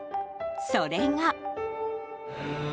それが。